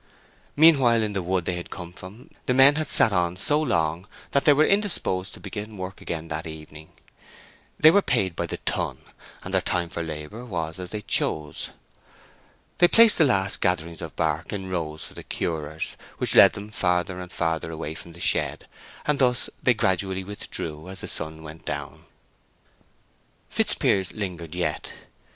Meanwhile, in the wood they had come from, the men had sat on so long that they were indisposed to begin work again that evening; they were paid by the ton, and their time for labor was as they chose. They placed the last gatherings of bark in rows for the curers, which led them farther and farther away from the shed; and thus they gradually withdrew as the sun went down. Fitzpiers lingered yet.